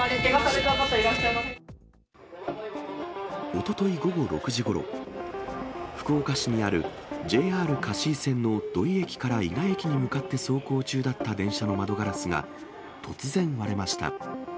おととい午後６時ごろ、福岡市にあるＪＲ香椎線の土井駅から伊賀駅に向かって走行中だった電車の窓ガラスが、突然、割れました。